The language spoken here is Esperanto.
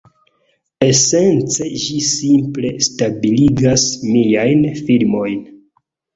Esence ĝi simple stabiligas miajn filmojn.